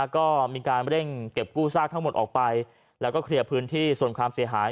ก็มีการเร่งเก็บกู้ซากทั้งหมดออกไปแล้วก็เคลียร์พื้นที่ส่วนความเสียหาย